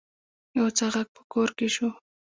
يو څه غږ په کور کې شو.